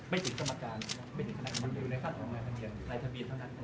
ไม่มีครับ